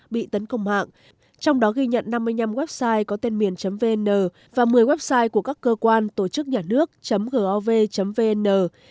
bị tấn công mạng trong đó ghi nhận năm mươi năm website có tên miền vn và một mươi website của các cơ quan tổ chức nhànước gov vn